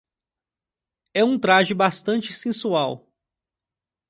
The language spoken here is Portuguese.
É um traje bastante sensual